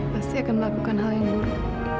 pasti akan melakukan hal yang buruk